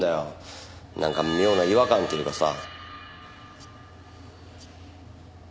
なんか妙な違和感というかさ。